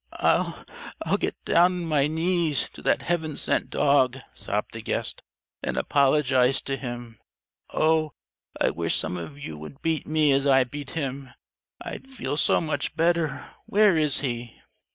"I'll I'll get down on my knees to that heaven sent dog," sobbed the guest, "and apologize to him. Oh, I wish some of you would beat me as I beat him! I'd feel so much better! Where is he?"